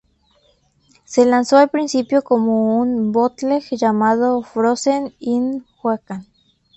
Se lanzó al principio como un "bootleg" llamado "Frozen in Wacken".